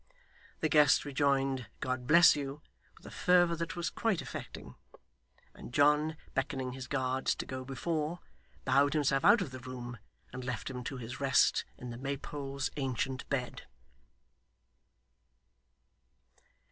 The guest rejoined 'God bless you!' with a fervour that was quite affecting; and John, beckoning his guards to go before, bowed himself out of the room, and left him to his rest in the Maypole's ancient bed.